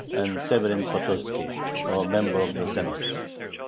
and Severin Pototzki, a member of the Senate.